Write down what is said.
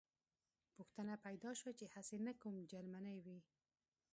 پوښتنه پیدا شوه چې هسې نه کوم جرمنی وي